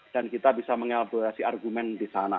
dan kita bisa mengelaburasi argumen di sana